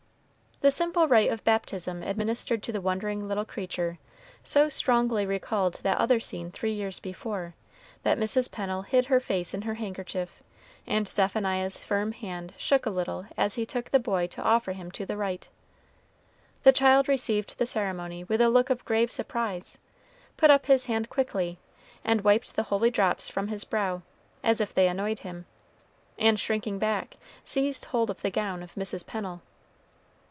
The simple rite of baptism administered to the wondering little creature so strongly recalled that other scene three years before, that Mrs. Pennel hid her face in her handkerchief, and Zephaniah's firm hand shook a little as he took the boy to offer him to the rite. The child received the ceremony with a look of grave surprise, put up his hand quickly and wiped the holy drops from his brow, as if they annoyed him; and shrinking back, seized hold of the gown of Mrs. Pennel.